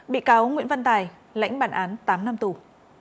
bị cáo nguyễn văn tài lãnh bản án tám năm tù